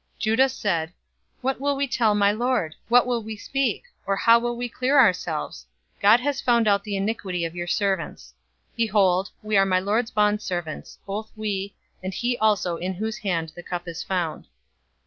044:016 Judah said, "What will we tell my lord? What will we speak? Or how will we clear ourselves? God has found out the iniquity of your servants. Behold, we are my lord's bondservants, both we, and he also in whose hand the cup is found."